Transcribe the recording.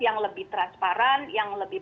yang lebih transparan yang lebih